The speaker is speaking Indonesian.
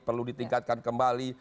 perlu ditingkatkan kembali